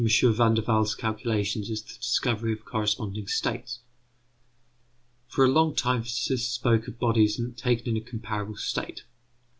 Van der Waals' calculations is the discovery of corresponding states. For a long time physicists spoke of bodies taken in a comparable state.